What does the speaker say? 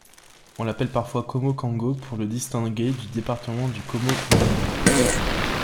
On l’appelle parfois Komo-Kango pour le distinguer du département du Komo-Mondah.